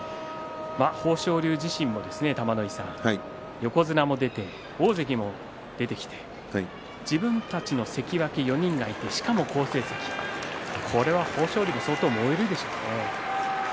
豊昇龍自身も、横綱も出て大関も出てきて自分たち関脇４人がいてしかも、好成績これは豊昇龍、燃えるでしょうね。